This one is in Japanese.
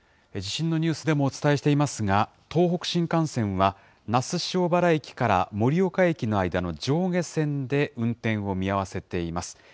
地震のニュースでもお伝えしていますが、東北新幹線は、那須塩原駅から盛岡駅の間の上下線で、運転を見合わせています。